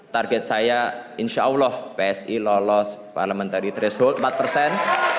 target saya insyaallah psi lolos parlementari threshold empat persen